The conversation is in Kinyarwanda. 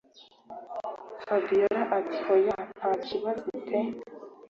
fabiora ati”hoya ntakibazi pe”